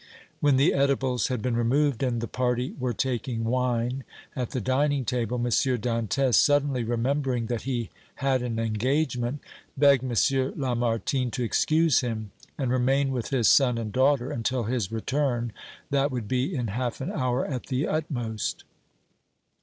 When the edibles had been removed and the party were taking wine at the dining table, M. Dantès, suddenly remembering that he had an engagement, begged M. Lamartine to excuse him and remain with his son and daughter until his return, that would be in half an hour at the utmost.